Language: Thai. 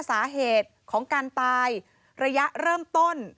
สาเหตุของการตายระยะเริ่มต้น